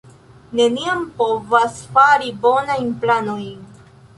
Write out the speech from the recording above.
Neniam povas fari bonajn planojn